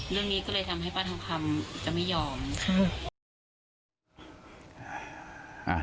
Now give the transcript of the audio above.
เรื่องนี้ก็เลยทำให้ป้าทองคำจะไม่ยอมค่ะ